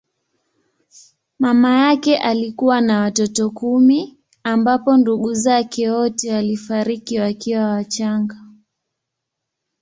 Mama yake alikuwa na watoto kumi ambapo ndugu zake wote walifariki wakiwa wachanga.